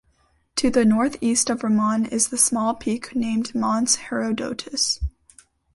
To the northeast of Raman is the small peak named Mons Herodotus.